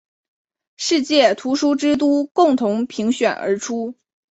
世界图书之都共同评选而出。